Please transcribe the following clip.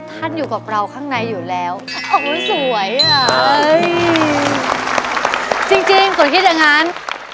ท่านอยู่กับเราข้างในอยู่แล้วสวยเหรอจริงฝนคิดอย่างนั้น